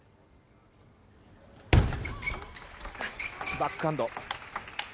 バックハンド。